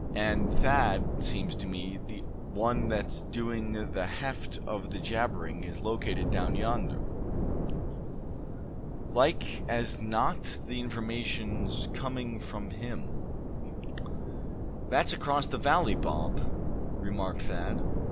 And Thad, seems to me, the one that's doing the heft of the jabbering is located down yonder. Like as not the information's coming from him." "That's across the valley, Bob?" remarked Thad.